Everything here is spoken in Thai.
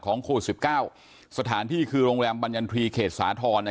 ของโครสิบเก้าสถานที่คือโรงแรมบันยันทรีเขศษาธรนะ